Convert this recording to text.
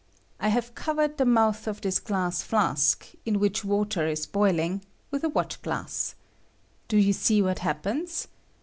I have covered the mouth of this glass Sask, in which water ia boiling, with a watch glass. Do you see what happens?